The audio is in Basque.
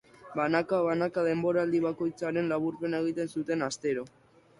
Banaka-banaka denboraldi bakoitzaren laburpena egiten zuten astero.